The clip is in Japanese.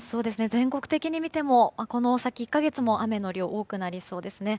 全国的に見てもこの先１か月も雨の量が多くなりそうですね。